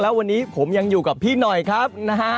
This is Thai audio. แล้ววันนี้ผมยังอยู่กับพี่หน่อยครับนะฮะ